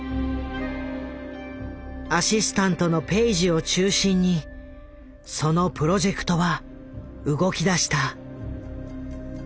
アシスタントのペイジを中心にそのプロジェクトは動きだした。